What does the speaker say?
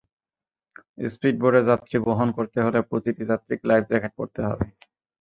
স্পিডবোটের যাত্রী বহন করতে হলে প্রতিটি যাত্রীকে লাইফ জ্যাকেট পরতে হবে।